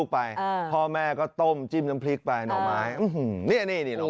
พ่อแม่ก็ต้มจิ้มน้ำพริกนี่หน่อไม้